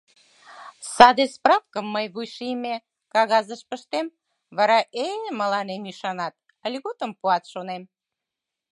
Саде справкым мый вуйшийме кагазыш пыштем... вара... э... мыланем ӱшанат... льготым пуат, шонем!..